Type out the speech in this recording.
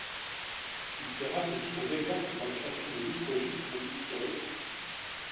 Il sert à ce titre d'exemple pour la création de micro-gîtes en Midi-Pyrénées.